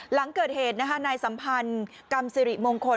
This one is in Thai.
หลังเกิดเหตุนะคะนายสัมพันธ์กรรมสิริมงคล